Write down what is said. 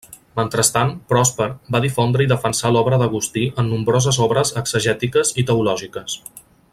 Mentrestant, Pròsper va difondre i defensar l'obra d'Agustí en nombroses obres exegètiques i teològiques.